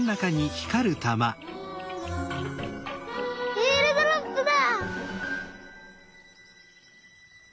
えーるドロップだ！